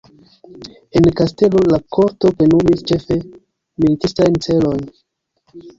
En kastelo, la korto plenumis ĉefe militistajn celojn.